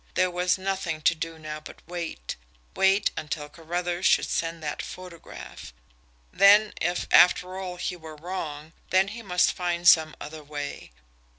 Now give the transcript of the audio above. There was nothing to do now but wait wait until Carruthers should send that photograph. Then if, after all, he were wrong then he must find some other way.